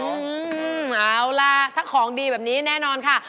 เอาล่ะถ้าของดีแบบนี้แน่นอนค่ะ